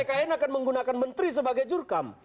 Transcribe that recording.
bahkan pkn akan menggunakan menteri sebagai jurkam